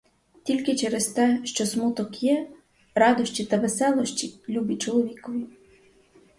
Тільки через те, що смуток є, радощі та веселощі любі чоловікові.